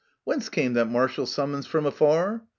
Whence came that martial summons from afar